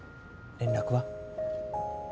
連絡は？